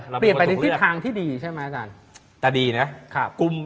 ปรองเปลี่ยนไปทิศทางที่ดีใช่ไหมอาจารย์